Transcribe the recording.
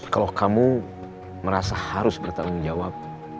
kalau kamu merasa harus bertanggung jawab